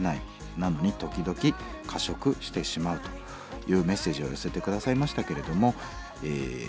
なのに時々過食してしまう」というメッセージを寄せて下さいましたけれども反応頂いてますね。